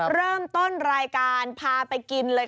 เริ่มต้นรายการพาไปกินเลย